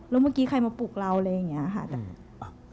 แล้วเมื่อกี้ใครมาปลุกเราอะไรอย่างนี้ค่ะ